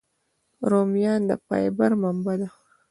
رومیان د فایبر منبع دي